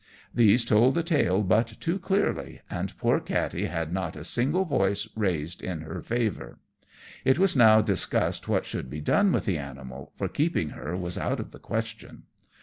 These told the tale but too clearly, and poor Katty had not a single voice raised in her favour. It was now discussed what should be done with the animal, for keeping her was out of the question.